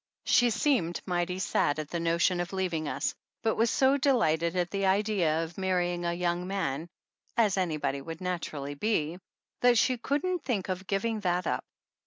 She seemed mighty sad at the notion of leaving us, but was so delighted at the idea of marrying a young man (as anybody naturally would be) that she couldn't think of giving that up.